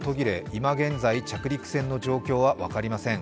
今現在着陸船の状況は分かりません。